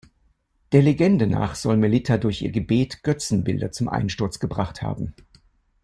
Der Legende nach soll Melitta durch ihr Gebet Götzenbilder zum Einsturz gebracht haben.